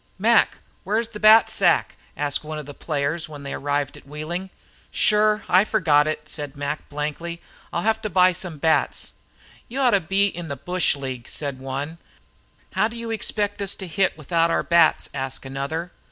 "Mac, where's the bat sack?" asked one of the players, when they arrived at Wheeling. "Shure, I forgot it," said Mac, blankly. "I'll have to buy some bats." "You ought to be in a bush league," said one. "How do you expect us to hit without our bats?" asked another.